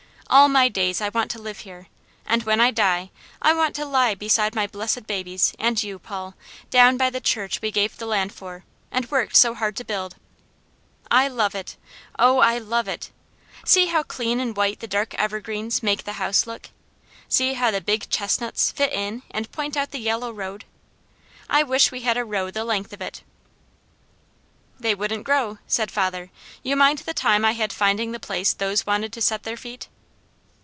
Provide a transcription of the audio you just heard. All my days I want to live here, and when I die, I want to lie beside my blessed babies and you, Paul, down by the church we gave the land for, and worked so hard to build. I love it, Oh I love it! See how clean and white the dark evergreens make the house look! See how the big chestnuts fit in and point out the yellow road. I wish we had a row the length of it!" "They wouldn't grow," said father. "You mind the time I had finding the place those wanted to set their feet?"